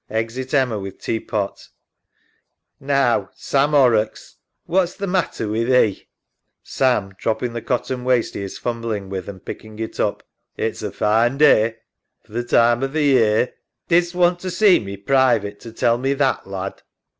(Exit Emma with tea pot) Now, Sam Horrocks, what's the matter wi' thee? 302 LONESOME LIKE SAM {dropping the cotton waste he is fumbling with and picking it up). It's a fine day for th' time o' th' year. SARAH. Didst want to see me private to tell me that, lad?